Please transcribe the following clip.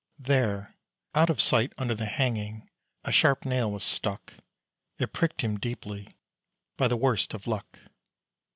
There, out of sight, Under the hanging, a sharp nail was stuck: It pricked him deeply, by the worst of luck.